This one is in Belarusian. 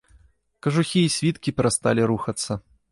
Кажухі і світкі перасталі рухацца.